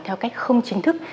theo cách không chính thức